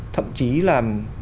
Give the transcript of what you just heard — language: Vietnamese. thậm chí là